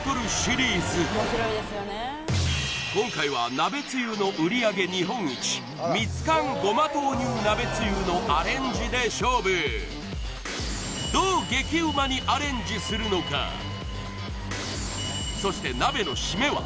今回は鍋つゆの売上日本一ミツカンごま豆乳鍋つゆのアレンジで勝負どう激ウマにアレンジするのかそして鍋のシメは？